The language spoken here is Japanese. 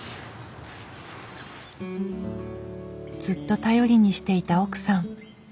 ずっと頼りにしていた奥さん。